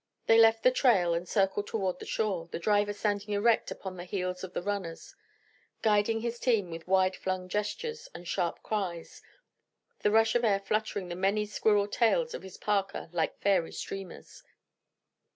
They left the trail and circled toward the shore, the driver standing erect upon the heels of the runners, guiding his team with wide flung gestures and sharp cries, the rush of air fluttering the many squirrel tails of his parka like fairy streamers.